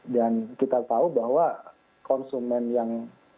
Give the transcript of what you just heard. dan kita tahu bahwa konsumen yang